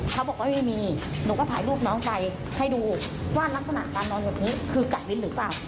เขาบอกว่าไม่มีหนูก็ถ่ายรูปน้องไปให้ดูว่ารักษณะการนอนแบบนี้คือกัดลิ้นหรือเปล่า